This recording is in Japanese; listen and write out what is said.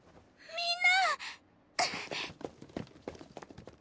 みんな！